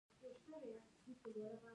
دغه دوره تر یوې کچې اوږده هم وه.